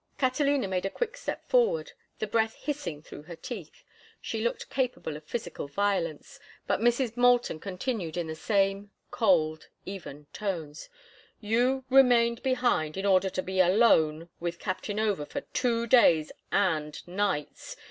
Catalina made a quick step forward, the breath hissing through her teeth. She looked capable of physical violence, but Mrs. Moulton continued in the same cold, even tones: "You remained behind in order to be alone with Captain Over for two days and nights.